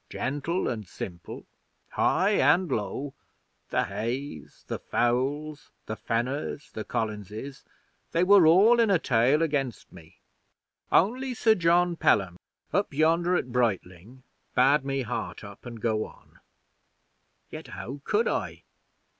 Gentle and simple, high and low the Hayes, the Fowles, the Fenners, the Collinses they were all in a tale against me. Only Sir John Pelham up yonder at Brightling bade me heart up and go on. Yet how could I?